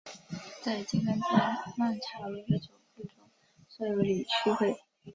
在金刚界曼荼罗的九会中设有理趣会。